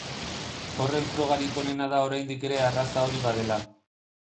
Horren frogarik onena da oraindik ere arraza hori badela.